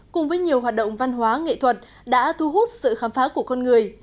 cùng với nhiều hoạt động văn hóa nghệ thuật đã thu hút sự khám phá của con người